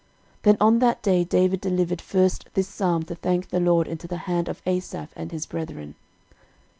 13:016:007 Then on that day David delivered first this psalm to thank the LORD into the hand of Asaph and his brethren.